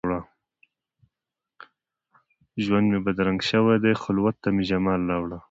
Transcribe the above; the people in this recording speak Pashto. ژوند مي بدرنګ شوی دي، خلوت ته مي جمال راوړه